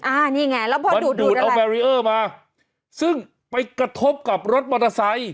อ่านี่ไงแล้วพอดูดดูดเอาแบรีเออร์มาซึ่งไปกระทบกับรถมอเตอร์ไซค์